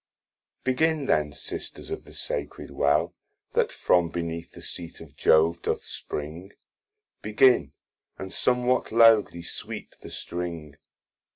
Begin then, Sisters of the sacred well, That from beneath the seat of Jove doth spring, Begin, and somwhat loudly sweep the string.